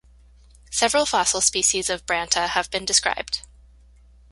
Several fossil species of "Branta" have been described.